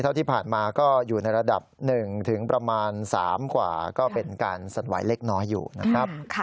เท่าที่ผ่านมาก็อยู่ในระดับ๑ถึงประมาณ๓กว่าก็เป็นการสั่นไหวเล็กน้อยอยู่นะครับ